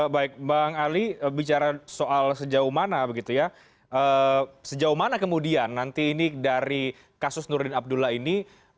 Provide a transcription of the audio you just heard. baik bang ali bicara soal sejauh mana begitu ya sejauh mana kemudian nanti ini dari kasus nurdin abdullah ini